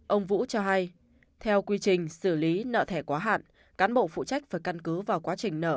ông vũ cho hay theo quy trình xử lý nợ thẻ quá hạn cán bộ phụ trách phải căn cứ vào quá trình nợ